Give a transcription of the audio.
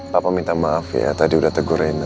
papa minta maaf ya tadi udah tegur rena